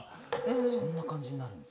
そんな感じになるんですか？